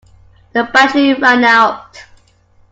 The battery ran out.